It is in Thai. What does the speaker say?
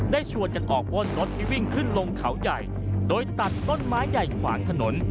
ชวนกันออกป้นรถที่วิ่งขึ้นลงเขาใหญ่โดยตัดต้นไม้ใหญ่ขวางถนน